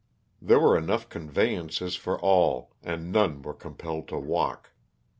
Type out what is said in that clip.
There were enough conveyances for all and none were compelled to walk.